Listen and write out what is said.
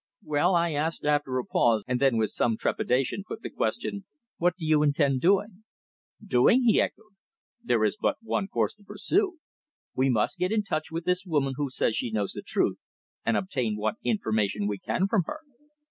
"Well," I asked after a pause, and then with some trepidation put the question, "what do you intend doing?" "Doing!" he echoed. "There is but one course to pursue. We must get in touch with this woman who says she knows the truth, and obtain what information we can from her.